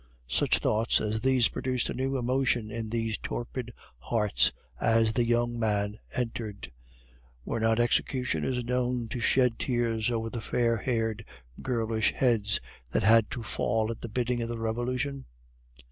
Such thoughts as these produced a new emotion in these torpid hearts as the young man entered. Were not executioners known to shed tears over the fair haired, girlish heads that had to fall at the bidding of the Revolution?